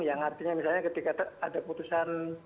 yang artinya misalnya ketika ada putusan